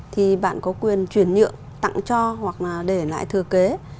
thì bạn có quyền chuyển nhượng tặng cho hoặc là để lại thừa kế